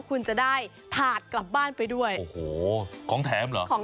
คุณจะได้ทาสกลับบ้านไปด้วยของแถมหรอ